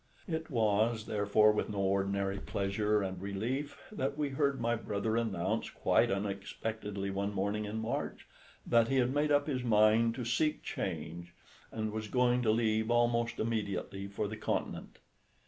It was, therefore, with no ordinary pleasure and relief that we heard my brother announce quite unexpectedly one morning in March that he had made up his mind to seek change, and was going to leave almost immediately for the Continent.